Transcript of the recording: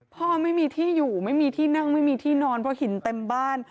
พ่อไม่มีที่อยู่ไม่มีที่นั่งไม่มีที่นอนเพราะหินเต็มบ้าน